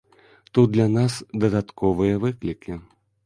Тут для нас дадатковыя выклікі.